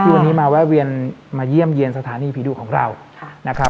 วันนี้มาแวะเวียนมาเยี่ยมเยี่ยมสถานีผีดุของเรานะครับ